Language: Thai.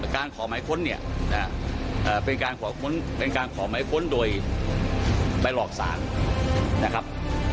การขอหมายค้นเนี่ยเป็นการขอหมายค้นโดยไปหลอกศาลนะครับ